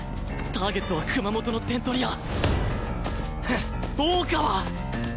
ターゲットは熊本の点取り屋大川！